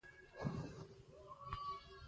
غږ کښته، لوړ، نرم یا کلک وي.